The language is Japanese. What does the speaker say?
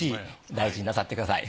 大事になさってください。